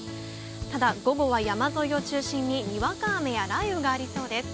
ただ、午後は山沿いを中心ににわか雨や雷雨がありそうです。